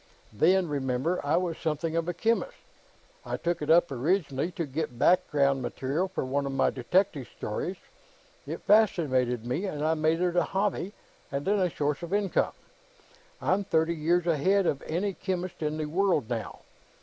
Then, remember, I was something of a chemist. I took it up, originally, to get background material for one of my detective stories; it fascinated me, and I made it a hobby, and then a source of income. I'm thirty years ahead of any chemist in the world, now.